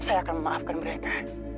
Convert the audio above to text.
saya akan memaafkan mereka